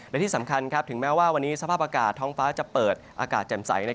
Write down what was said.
และที่สำคัญถึงแม้ว่าวันนี้สภาพอากาศท้องฟ้าจะเปิดอากาศแจ่มใส